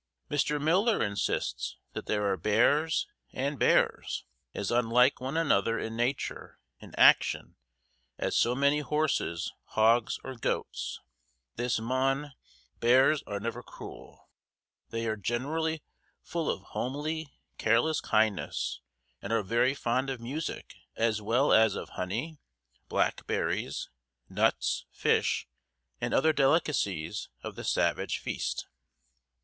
Mr. Miller insists that there are bears and bears, as unlike one another in nature and action as so many horses, hogs or goats. This much they have in common bears are never cruel. They are generally full of homely, careless kindness, and are very fond of music as well as of honey, blackberries, nuts, fish and other delicacies of the savage feast.